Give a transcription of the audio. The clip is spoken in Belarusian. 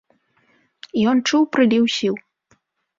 Ён чуў прыліў сіл.